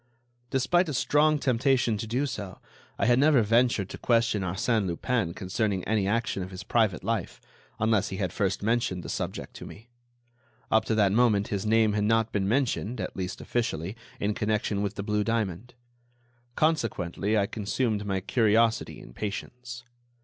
Despite a strong temptation to do so, I had never ventured to question Arsène Lupin concerning any action of his private life, unless he had first mentioned the subject to me. Up to that moment his name had not been mentioned, at least officially, in connection with the blue diamond. Consequently, I consumed my curiosity in patience.